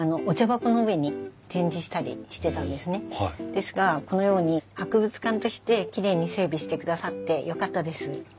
ですがこのように博物館としてきれいに整備してくださってよかったです。